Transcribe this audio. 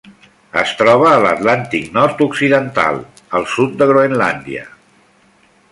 Es troba a l'Atlàntic nord-occidental: el sud de Groenlàndia.